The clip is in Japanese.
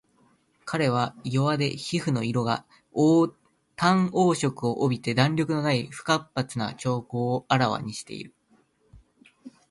彼は胃弱で皮膚の色が淡黄色を帯びて弾力のない不活発な徴候をあらわしている